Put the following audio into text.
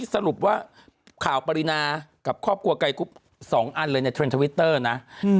สรุปว่าข่าวปรินากับครอบครัวไกลกรุ๊ป๒อันเลยในเทรนดทวิตเตอร์นะ